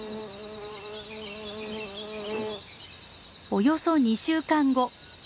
およそ２週間後。